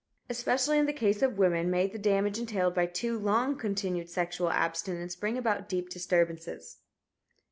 Especially in the case of women may the damage entailed by too long continued sexual abstinence bring about deep disturbances."